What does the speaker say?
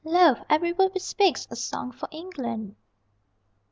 _ _Lo, every word we speak's a song for England.